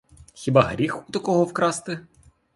Хіба гріх у такого вкрасти?